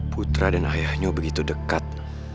putra dan ayahnya begitu dekat